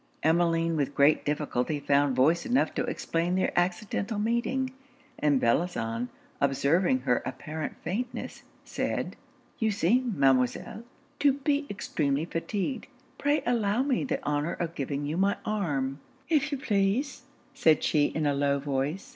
Emmeline with great difficulty found voice enough to explain their accidental meeting. And Bellozane observing her apparent faintness, said 'you seem, Mademoiselle, to be extremely fatigued. Pray allow me the honour of giving you my arm.' 'If you please,' said she, in a low voice.